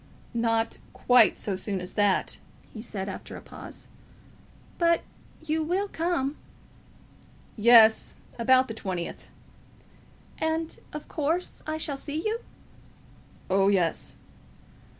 "Not quite so soon as that," he said, after a pause. "But you will come?" "Yes; about the twentieth." "And, of course, I shall see you?" "Oh, yes."